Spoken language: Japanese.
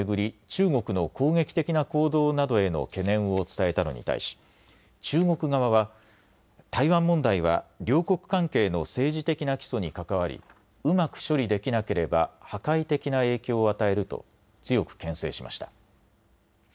中国の攻撃的な行動などへの懸念を伝えたのに対し中国側は台湾問題は両国関係の政治的な基礎に関わりうまく処理できなければ破壊的な影響を与えると強くけん制しました。